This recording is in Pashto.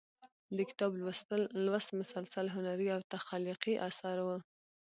د کتاب لوست مسلسل هنري او تخلیقي اثر و.